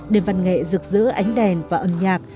đêm văn nghệ rực rỡ ánh đèn và âm nhạc